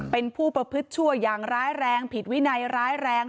เป็นผู้ประพฤติชั่วอย่างร้ายแรงผิดวินัยร้ายแรง